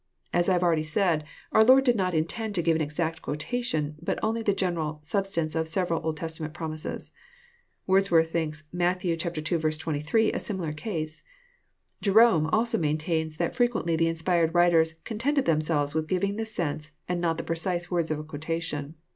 As I have already said, our Lord did not intend to give an exact quotation, but only the general sub stance of several Old Testament promises. Wordsworth thinks Matt. ii. 23 a similar case. Jerome also maintains that fre quently the inspired writers contented themselves with giving the sense and not the precise words of a quotation.